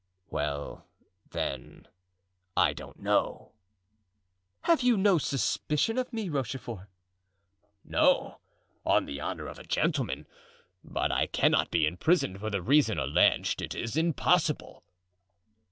"Well, then, I don't know." "Have you any suspicion of me, Rochefort?" "No! on the honor of a gentleman; but I cannot be imprisoned for the reason alleged; it is impossible."